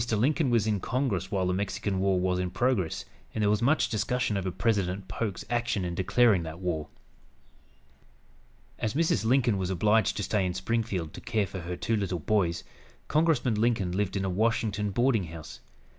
Lincoln was in Congress while the Mexican War was in progress, and there was much discussion over President Polk's action in declaring that war. As Mrs. Lincoln was obliged to stay in Springfield to care for her two little boys, Congressman Lincoln lived in a Washington boarding house.